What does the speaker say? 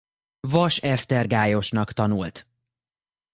Vasesztergályosnak tanult.